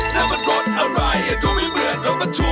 นั่นมันรถอะไรดูไม่เหมือนรถประทุกข์